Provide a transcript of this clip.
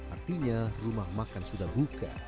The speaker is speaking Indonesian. artinya rumah makan sudah buka